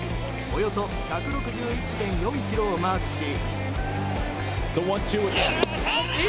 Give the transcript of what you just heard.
およそ１６１．４キロをマークし。